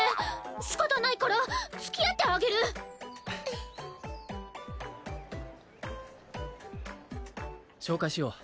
仕方ないから付き合ってあげる紹介しよう